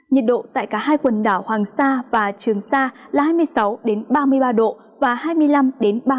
nhiệt độ tại cả hai quần đảo hoàng sa và trường sa là hai mươi sáu ba mươi ba độ và hai mươi năm ba mươi độ